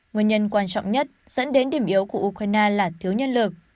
nguyên nhân quan trọng nhất dẫn đến điểm yếu của ukraine là thiếu nhân lực